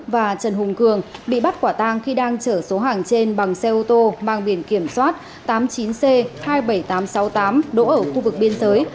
và trần hùng cường bị bắt quả tang khi đang chở số hàng trên bằng xe ô tô mang biển kiểm soát tám mươi chín c hai mươi bảy nghìn tám trăm sáu mươi tám đỗ ở khu vực biên giới